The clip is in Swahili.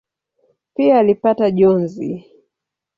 Pia alipata njozi.